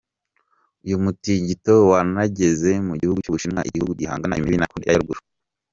Uyu mutingito wanageze mu gihugu cy’Ubushinwa igihugu gihana imbibi na Koreya ya ruguru.